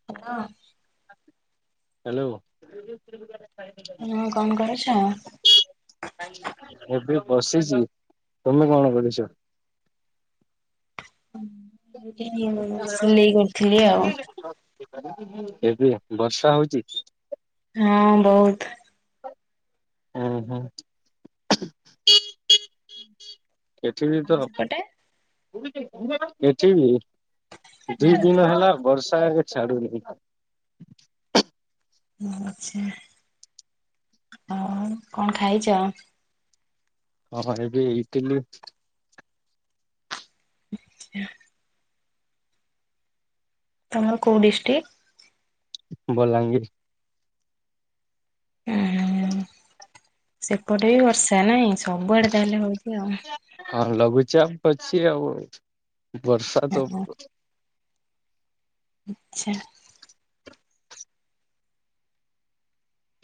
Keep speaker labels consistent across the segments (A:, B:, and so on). A: [unintelligible]
B: Hello.
A: ହଁ କଣ କରୁଛ?
B: ଏବେ ବସିଛି ତମେ କଣ କରୁଛ?
A: ସିଲେଇ କରୁଥିଲି ଆଉ।
B: ଏବେ ବର୍ଷା ହଉଛି?
A: ହଁ ବହୁତ
B: ହୁଁ ହୁଁ। ଏଠି ବି
A: ତମ
B: ତ
A: ସେପଟେ?
B: ଏଠି ବି। ଦି ଦିନ ହେଲା ବର୍ଷା ଆଗେ ଛାଡୁନି।
A: ଆଚ୍ଛା ଆଉ କଣ ଖାଇଛ?
B: ଓ ଏବେ ଏଇଥିଲି।
A: [unintelligible] ତମର କୋଉ ଡିଷ୍ଟ୍ରିକ୍?
B: ବୋଲାଙ୍ଗିର।
A: ଓ ସେପଟେ ବି ବର୍ଷା ନାଇଁ ସବୁଆଡେ ତାହେଲେ ହଉଛି ଆଉ।
B: ହଁ ଲଘୁଚାପ ଅଛି ଆଉ ବର୍ଷା ତ
A: ଆଚ୍ଛା ଆଚ୍ଛା।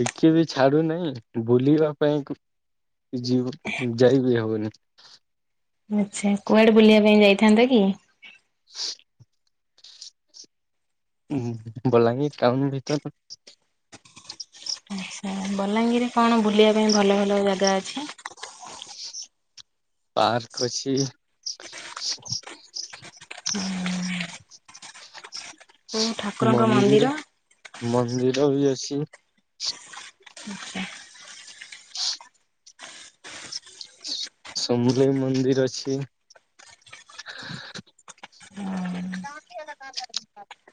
B: ଟିକେ ବି ଛାଡୁନାହିଁ ବୁଲିବା ପାଇଁ ଯାଇ ବିି ହଉନି।
A: ଆଚ୍ଛା କୁଆଡେ ବୁଲିବା ପାଇଁ ଯାଇଥାନ୍ତା କି?
B: [unintelligible] ବଲାଙ୍ଗୀର ଟାଉନ୍ ଭିତର।
A: ଆଚ୍ଛା ବଲାଙ୍ଗୀର କଣ ବୁଲିବା ପାଇଁ ଭଲ ଭଲ ଜାଗା ଅଛି?
B: ପାର୍କ ଅଛି।
A: କୋଉ ଠାକୁରଙ୍କ
B: ମନ୍ଦିର ମନ୍ଦିର ବି ଅଛି।
A: ଆଚ୍ଛା।
B: ସମଲେଇ ମନ୍ଦିର ଅଛି। [inaudible]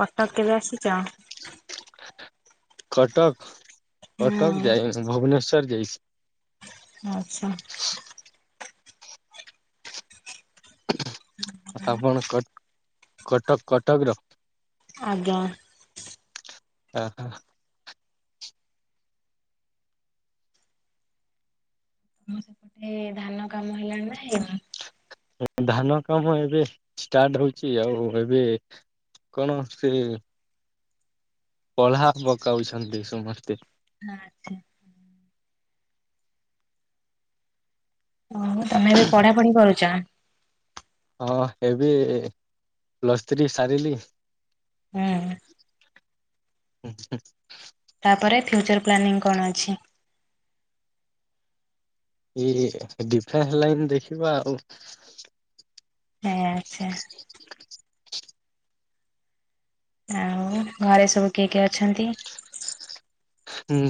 A: କଟକ କେବେ ଆସିଛ?
B: କଟକ କଟକ ଯାଇ
A: ହଁ
B: ଭୁବନେଶ୍ଵର ଯାଇଛି।
A: ଆଚ୍ଛା।
B: ଆପଣ କଟକ କଟକର?
A: ଆଜ୍ଞା।
B: ଓ ହୋ।
A: ହଁ। ଧାନ କାମ ହେଲାଣି ନା ହେଇି
B: ଧାନ କାମ ଏବେ ଷ୍ଟାର୍ଟ ହଉଛି ଆଉ ଏବେ କଣ ସେ ପଲା ପକାଉଛନ୍ତି ସମସ୍ତେ
A: ହଁ ଆଛା ହଉ ତମେ ଏବେ ପଢା ପଢି କରୁଛ
B: ହଁ ଏବେ ପଲସଥ୍ରୀ ସାରିଲି
A: ହଁ
B: ହଁ
A: ତାପରେ ଫ୍ୟୁଚର ପ୍ଲାନିଂ କଣ ଅଛି
B: ଏଇ ଡିଫେନ୍ସ ଲାଇନ ଦେଖିବା ଆଉ
A: ହଁ ଆଛା
B: [inaudible]
A: ଆଉ ଘରେ ସବୁ କିଏ କିଏ ଅଛନ୍ତି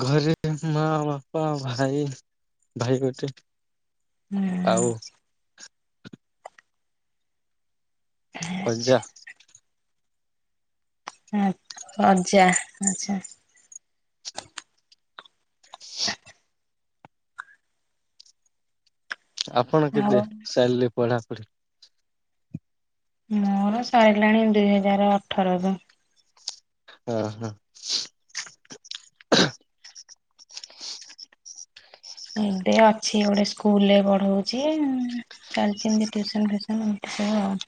B: ଘରେ ମା ବାପା ାଇ ଭାଇ ଗୋଟେ
A: ହୁଁ
B: ଆଉ ଖଜା
A: ଆଚ୍ଛା ଆଁା ଆଜ୍ଜା ଆଚ୍ଛା
B: ଆପଣ କେବେ
A: ଆଉ
B: ସାରିଲେ ପଢାପଢି
A: ହଁ ସରିଲାଣି ଦୁଇ ହଜାର ଅଠର ର
B: ହଁ ହଁ
A: ଏବେ ଅଛି ଗୋଟେ ସ୍କୁଲ ରେ ପଢଉଛି ଚାଲି ଟ୍ୟୁସନ ଫ୍ୟୁସନ ଏମତି ଆଉ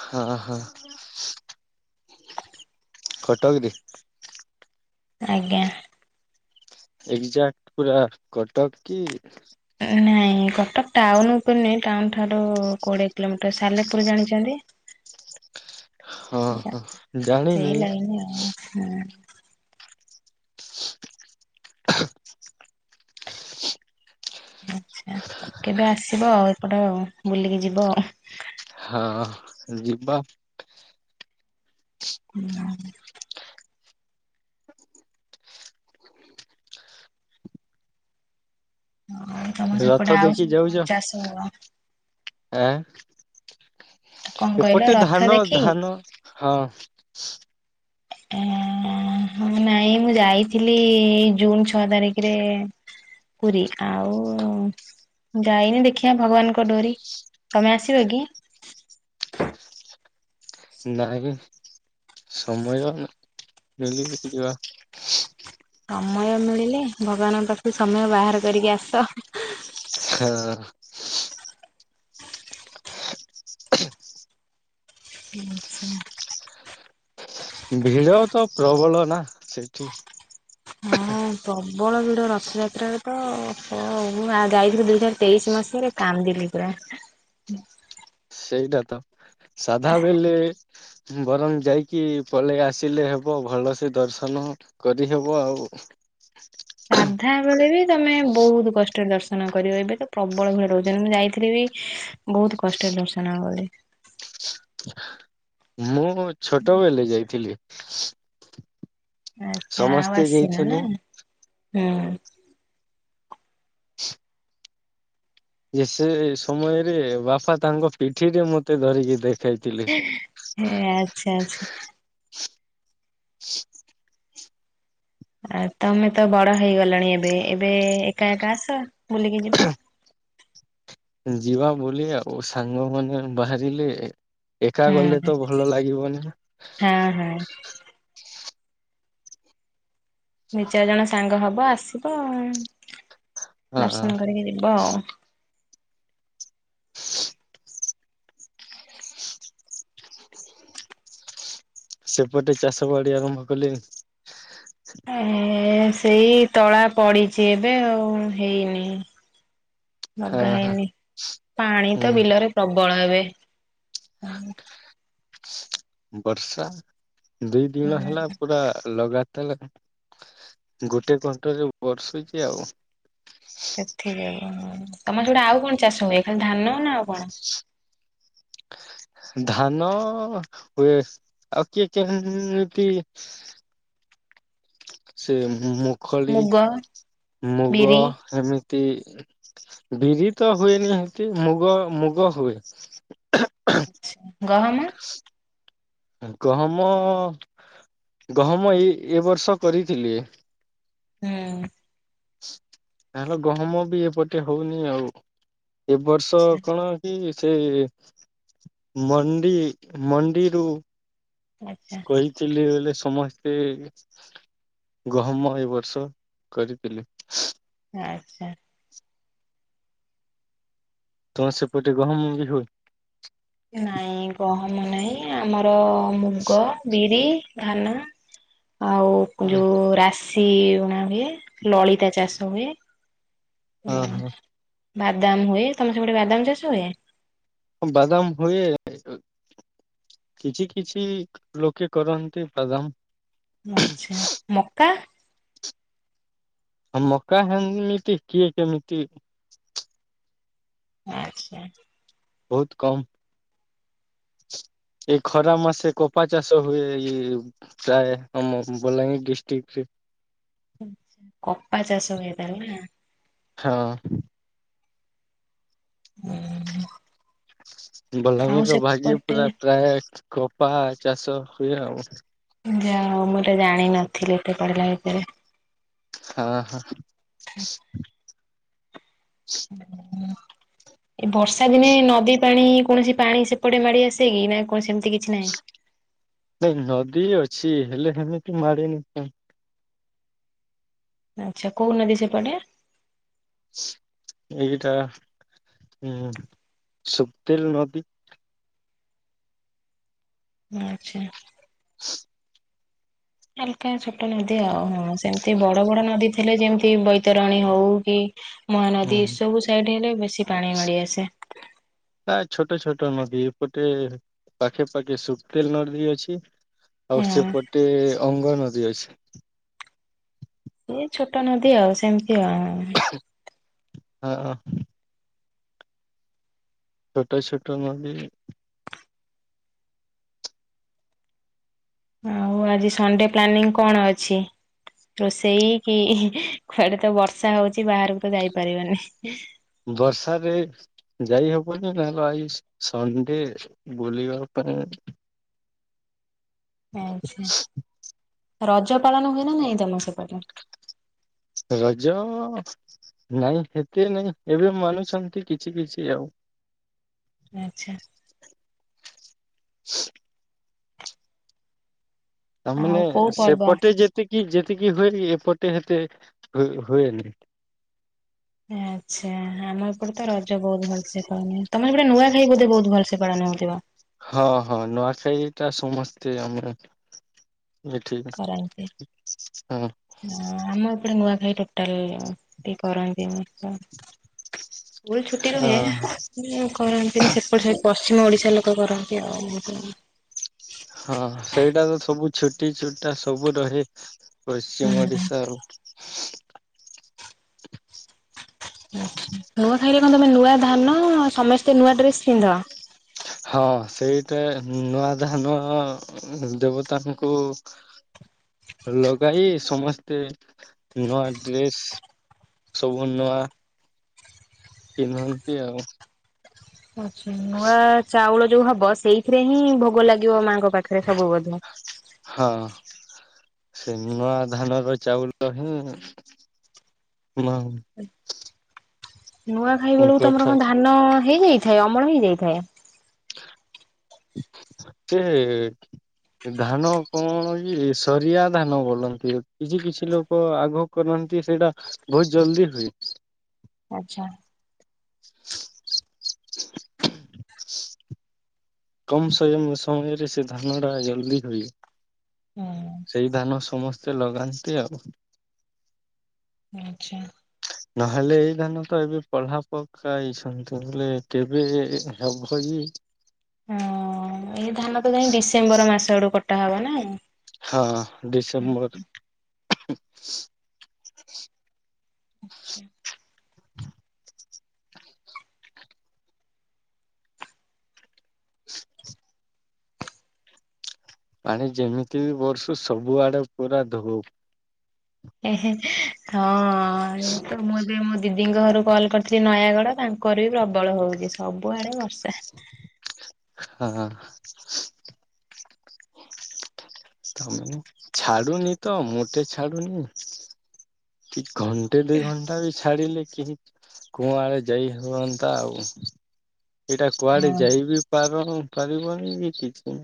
B: ହଁ ହଁ ଖଟ କିଦି
A: ଆଜ୍ଞା
B: ଏକ୍ଜାକ୍ଟ ପୁରା କଟକ କି
A: ନାଇଁ କଟକ ଟାଉନ ଉପରେ ନୁହଁ ଟାଉନ ଠାରୁ କୋଡିଏ କିଲୋମିଟର ସାଲେପୁର ଜାଣିଛନ୍ତି
B: ହଁ ହଁ
A: ସେଇ
B: ଜାଣିିନି
A: ଲାଇନ ଆଉ ହୁଁ ଆଛା କେବେ ଆସିବ ଆଉ ଏପଟ ବୁଲିକି ଯିବ ଆଉ
B: ହଁ ଯିବା
A: ହୁଁ ହଁ ତମ
B: ରଥ
A: ସେପଟେ ଆଉ ସବୁ କଣ ଚାଷ ହବ
B: ହଁ
A: କଣ କହିଲ
B: ଏପଟେ
A: ରଥ
B: ଧାନ
A: ଦେଖି?
B: ଧାନ ହଁ
A: ଏ ହ ନାଇଁ ମୁଁ ଯାଇଥିଲି ଜୁନ ଛଅ ତାରିଖରେ ପୁରୀ ଆଉ ଯାଇନି ଦେଖିବା ଭଗବାନଙ୍କ ଡୋରି ତମେ ଆସିବ କି
B: ନାଇ ସମୟ ମିଳ ଯିବା ହ
A: ସମୟ ମିଳିଲେ ଭଗବାନଙ୍କ ପାଖକୁ ସମୟ ବାହାର କରିକି ଆସ
B: ହଁ
A: ଆଛା
B: ଭିଡ଼ ତ ପ୍ରବଳ ନା ସେଇଠି
A: ହଁ ପ୍ରବଳ ଭିଡ ରଥଯାତ୍ରାରେ ତ ଯାଇଥିଲି ଦୁଇ ହଜାର ତେଇଶି ମସିହାରେ କାମ ଦଲି ପୁରା
B: ସେଇଟା ତ ସାଧା ବେଲେ ବରଂ ଯାଇକି ପଳେଇ ଆସିଲେ ହେବ ଭଲସେ ଦର୍ଶନ କରି ହେବ ଆଉ
A: ସାଧା ବେଳେ ବି ତମେ ବହୁତ କଷ୍ଟରେ ଦର୍ଶନ କରିବ ଏବେ ତ ପ୍ରବଳ ଭିଡ଼ ରହୁଛନ୍ତି। ମୁଁ ଯାଇଥିଲି ବି ବହୁତ କଷ୍ଟରେ ବର୍ଷନା କଲି
B: ମୁଁ ଛୋଟବେଳେ ଯାଇଥିଲି।
A: ଆଛା ଆଉ
B: ସମସ୍ତେ
A: ଆସିନ
B: ଯାଇଥିଲୁ
A: ନାଇଁ? ହୁଁ।
B: ଯେ ସେ ସମୟରେ, ବାପା ତାଙ୍କ ପିଠିରେ ମତେ ଧରିକି ଦେଖ ଖେଳୁ ଥିଲେ ସେଠି
A: ଏ ଆଚ୍ଛା, ଆଚ୍ଛା। ଆ ତମେ ତ ବଡ ହେଇଗଲାଣି ଏବେ। ଏବେ, ଏକା ଏକା ଆସ ବୁଲିକି ଯିବା।
B: ଯିବା ବୋଲି ଆଉ ସାଙ୍ଗ ମାନେ ବାହାରିଲେ ଏକା
A: ହୁଁ
B: ଗଲେ ତ ଭଲ ଲାଗିବନି?
A: ହଁ ହଁ ଦି ଚାରି ଜଣ ସାଙ୍ଗ ହବ ଆସିବ।
B: ହଁ
A: ଦର୍ଶନ କରିକି ଯିବ ଆଉ।
B: ସେପଟେ ଚାଷ ବାଡି ଆରମ୍ଭ କଲେ
A: ଏ ସେଇ ତଳା ପଡିଛି ଏବେ। ଆଉ ହେଇନି।
B: ହଁ
A: ଲଗା
B: ହଁ
A: ହେଇନି। ପାଣି ତ
B: ହୁଁ
A: ବିଲରେ ପ୍ରବଳ ହେବେ।
B: ବର୍ଷା ଦି ଦିନ ହେଲା ପୁରା ଲଗା ତାହେଲେ, ଗୋଟେ କଣ୍ଟରେ ବର୍ଷୁଛି ଆଉ।
A: ସେଥିକି ଆଁ, ତମର ସିଆଡେ ଆଉ କଣ ଚାଷ ହୁଏ? ଖାଲି ଧାନ ନା ଆଉ କଣ?
B: ଧାନ ହୁଏ ଆଉ କିଏ କେମିତି ସେ ମୁଖଳି
A: ମୁଗ,
B: ମୁଗ
A: ବିରି,
B: ଏମିତି ତି ବିରି ତ ହୁଏନି ସେଠୀ, ମୁଗ ମୁଗ ହୁଏ। [unintelligible]
A: ଗହମ?
B: ଗହମ, ଗହମ ଏଇ ଏ ବର୍ଷ କରିଥିଲି।
A: ହୁଁ।
B: ତାହେଲେ ଗହମ ବି ଏପଟେ ହଉନି ଆଉ। ଏ ବର୍ଷ କଣ କି ସେ ମଣ୍ଡି ମଣ୍ଡିରୁ
A: ଆଚ୍ଛା
B: କହି ଥିଲି ବୋଲି ସମସ୍ତେ, ଗହମ ଏ ବର୍ଷ କରିଥିଲେ।
A: ଆଚ୍ଛା।
B: ତମ ସେପଟେ ଗହମ ବି ହୁଏ?
A: ନାଇଁ ଗହମ ନାହିଁ ଆମର ମୁଗ ବିରି ଧାନ ଆଉ
B: ହଁ
A: ଯୋଉ ରାସ୍ ସିଉଣା ହୁଏ। ଲଳିତା ଚାଷ ହୁଏ। ହୁଁ
B: ହଁ
A: ବାଦାମ ହୁଏ। ତମ ର ସେ ପଟେ ବାଦାମ ଚାଷ ହୁଏ?
B: ବାଦାମ ହୁଏ କିଛି କିଛି ଲୋକେ କରନ୍ତି ବାଦାମ।
A: ଆଛା। ମକା?
B: ମକା ହେମିତି କିଏ କେମିତି
A: ଆଚ୍ଛା।
B: ବହୁତ କମ୍ ଏଇ ଖରା ମାସେ କପା ଚାଷ ହୁଏ। ଏଇ ଚାଏ ଆମ ବଲାଙ୍ଗେ ଡିଷ୍ଟ୍ରିକ୍ଟ ରେ
A: କପା ଚାଷ ହୁଏ ତା ହେଲେ ନା?
B: ହଁ।
A: ହୁଁ।
B: ବଲାଙ୍ଗୀରର ଭାଗ୍ୟ
A: ସେପଟେ
B: ପୁରା ପ୍ରାୟ କପା ଚାଷ ହୁଏ ଆଉ।
A: ଯାହା ହଉ ମୁଁ ଏଟା ଜାଣିନଥିଲି ଏତେ ପଢିଲା ଭିତରେ।
B: ଥା ହଁା। [inaudible]
A: ଏ ବର୍ଷା ଦିନେ ନଦୀ ପାଣି କୌଣସି ପାଣି ସେପଟେ ମାଡି ଆସେ କି ନା କଣ ସେମିତି କିଛି ନାହିଁ?
B: ନାଇଁ ନଦୀ ଅଛି ହେଲେ ହେମିତି ମାଡ଼େନି।
A: ଆଚ୍ଛା କୋଉନଦୀ ସେପଟେ?
B: ଏଇଟା ଉ ଶୁକ୍ଦିଲି ନଦୀ।
A: ଆ୍ ଆଛା।
B: ହ
A: ହାଲକା ଛୋଟ ନଦୀ ଆଉ ହଁ ସେମତି ବଡ ବଡ ନଦୀ ଥିଲେ ଯେମିତି ବୈତରଣୀ ହଉ କି ମହାନଦୀ ଏସବୁ ସାଇଡ଼୍ ହେଲେ ବେଶୀ ପାଣି ମାଡ଼ିଆସେ।
B: ନା ଛୋଟ ଛୋଟ ନଦୀ ଏପଟେ ପାଖେ ପାଖେ ସୁଖୁତେଲ ନଦୀ ଅଛି। ଆଉ
A: ହଁ।
B: ସେପଟେ ଅଙ୍ଗନଦୀ ଅଛି।
A: ଇଏ ଛୋଟ ନଦୀ ଆଉ ସେମିତି ଆ
B: ହଁ। ଛୋଟ ଛୋଟ ନଦି
A: ଆଉ ଆଜି ସଡେ ପ୍ଲାନିଂ କଣ ଅଛି? ରୋଷେଇ କି କୁଆଡେ ତ ବର୍ଷା ହଉଛି ବାହାରକୁ ତ ଯାଇପାରିବାନି।
B: ବର୍ଷାରେ ଯାଇ ହବନି ନହେଲେ ଆଇସି ସଣ୍ଡେ ବୁଲିବା ପାଇଁ
A: ଆଚ୍ଛା ରଜ ପାଳନ ହୁଏ ନା ନାଇଁ ତମ ସେପଟେ?
B: ରଜ ନାଇଁ ହେତେ ନାଇଁ ଏବେ ମାନୁଛନ୍ତି କିଛି କିଛି ଆଉ।
A: ଆଚ୍ଛା। ଆଉ
B: ତାମାନେ
A: କୋଉ ପର୍ବ?
B: ସେପଟେ ଯେତିକି ଯେତିକି ହୁଏ ଏପଟେ ହେତେ ହୁଏ ହୁଏନି।
A: ଆଚ୍ଛା ଆମ ଏପଟେ ତ ରଜ ବହୁତ ଭଲସେ ପଳନ ତମେ ସେପଟେ ନୂଆ ଖାଇ ବୋଧେ ବହୁତ ଭଲସେ ପାଳନ ହଉଥିବ?
B: ହଁ ହଁ ନୂଆଖାଇ ଟା ସମସ୍ତେ ଆମର
A: କରନ୍ତି
B: ହଁ
A: ଅଁ ଆମ ଏପଟେ ନୂଆଖାଇ ଟ ଟାଲ କରନ୍ତିନି ସ୍କୁଲ ଛୁଟି ରୁହେ?
B: ହଁ।
A: କରନ୍ତିନି ସେପଟ ସାଇଟି ପଶ୍ଚିମ ଓଡିଶା ଲୋକ କରନ୍ତି ଆଉ।
B: ହଁ ସେଇଟା ତ ସବୁ ଛୁଟି ଛୁଟା ସବୁ ରହେ। ପଶ୍ଚିମ ଓଡିଶା
A: ନୂଆ ଖାଇରେ କଣ ତମେ ନୂଆ ଧାନ ସମସ୍ତେ ନୂଆ ଡ୍ରେସ୍ ପିନ୍ଧ?
B: ହଁ ସେଇଟା ନୂଆ ଧାନ ଦେବତାଙ୍କୁ ଲଗାଇ ସମସ୍ତେ ନୂଆ ଡ୍ରେସ୍ ସବୁ ନୂଆଁ କିଣନ୍ତି ଆଉ
A: ଆଛା ନୂଆ ଚାଉଳ ଯୋଉ ହବ ସେଇଥିରେ ହିଁ ଭୋଗ ଲାଗିବ ମାଙ୍କ ପାଖରେ ସବୁ ବୋଧେ
B: ହଁ ସେଇ ନୂଆ ଧାନ ର ଚାଉଳ ହିଁ ମା
A: ନୂଆ ଖାଇ ବେଳକୁ ତମର
B: କଠା
A: କଣ ଧାନ ହେଇଯାଇଥାଏ? ଅମଳ ହେଇଯାଇଥାଏ?
B: କେ ଧାନ କଣ କି ସରିଆ ଧାନ ବୋଲନ୍ତି କିଛି କିଛି ଲୋକ ଆଗ କରୁନାହାନ୍ତି ସେଇଟା ବହୁତୁ ଜଲଦି ହୁଏ।
A: ଆଚ୍ଛା।
B: କମ୍ ସୋୟମ୍ ସମୟରେ ସେ ଧାନ ଟା ଜଲ୍ଦି ହୁଏ।
A: ହଁ।
B: ସେଇ ଧାନ ସମସ୍ତେ ଲଗାନ୍ତି ଆଉ।
A: ଆଚ୍ଛା।
B: ହ ନହେଲେ ଏଇ ଧାନ ତ ଏବେ ପଢାପକା ହେଇଛନ୍ତି ବୋଲେ କେବେ ହେବ ବି
A: ହଁ ଏଇ ଧାନ ତ ଯାଇ ଡିସେମ୍ବର ମାସ ଆଡୁ କଟା ହବ ନା?
B: ହଁ ଡିସେମ୍ବର।
A: ଆଚ୍ଛା।
B: [inaudible] ପାଣି ଯେମିତି ବି ବର୍ଷୁ ସବୁ ଆଡେ ପୁରା ଧୋଉ।
A: ହଁ ତ ମୁଁ ଏବେ ମୋ ଦିଦିଙ୍କ ଘରୁକୁ କଲ୍ କରି ନୟାଗଡ ତାଙ୍କର ବି ପ୍ରବଳ ହଉଛି ସବୁଆଡେ ବର୍ଷା।
B: ହଁ। ତମେ ଛାଡୁନି ତ ମୋଟେ ଛାଡୁନି। କି ଘଣ୍ଟେ ଦୁଇ ଘଣ୍ଟା ବି ଛାଡ଼ିଲେ କେହି କୁଆଡେ ଯାଇହୁଅନ୍ତା ଆଉ? ଏଇଟା କୁଆଡେ
A: ହଁ
B: ଯାଇ ବିି ପାରପାରିବନି କି କିଛି ନାହିଁ।